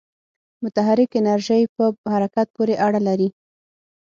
متحرک انرژی په حرکت پورې اړه لري.